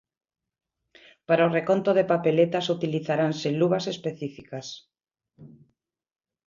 Para o reconto de papeletas utilizaranse luvas específicas.